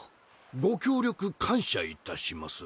ご協力感謝いたします。